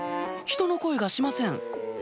人の声がしません